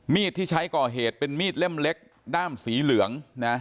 มีดที่ใช้ก่อเหตุเป็นมีดเล่มเล็กด้ามสีเหลืองนะ